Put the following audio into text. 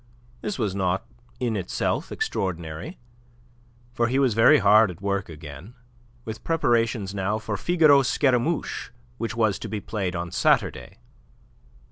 This was not in itself extraordinary, for he was very hard at work again, with preparations now for "Figaro Scaramouche" which was to be played on Saturday.